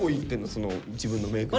その自分のメイク道具。